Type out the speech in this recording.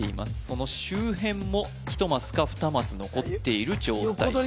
その周辺もひとマスかふたマス残っている状態です